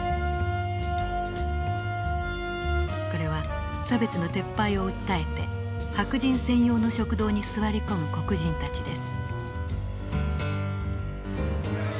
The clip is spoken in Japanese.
これは差別の撤廃を訴えて白人専用の食堂に座り込む黒人たちです。